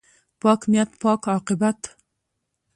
پاک نیت، پاک عاقبت.